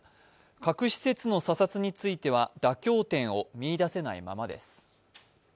核施設の査察については妥協点を見出せないままです。